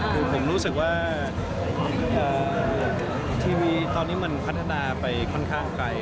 คือผมรู้สึกว่าทีวีตอนนี้มันพัฒนาไปค่อนข้างไกล